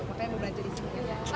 apa yang mau belanja di sini